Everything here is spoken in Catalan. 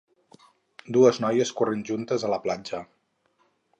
Dues noies corrent juntes a la platja.